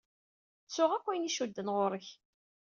Ttuɣ akk ayen icudden ɣur-k.